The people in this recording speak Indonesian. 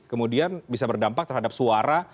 kemudian bisa berdampak terhadap suara